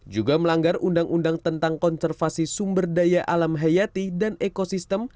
juga melanggar undang undang tentang konservasi sumber daya alam hayati dan ekosistem